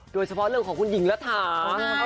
โดยเฉพาะเรื่องของคุณหญิงรัฐา